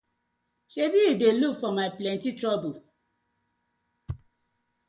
Sebi yu dey look for my plenty trouble.